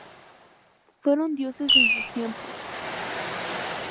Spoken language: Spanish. Fueron dioses en sus tiempos.